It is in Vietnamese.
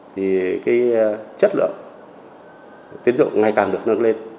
thì cái chất lượng tín dụng ngày càng được nâng lên